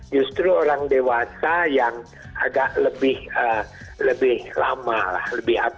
justru orang dewasa yang agak lebih lama lah